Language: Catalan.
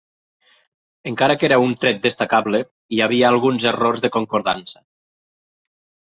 Encara que era un tret destacable, hi havia alguns errors de concordança.